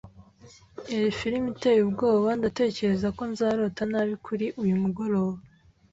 Yari firime iteye ubwoba. Ndatekereza ko nzarota nabi kuri uyu mugoroba.